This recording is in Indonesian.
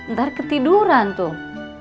ntar ketiduran tuh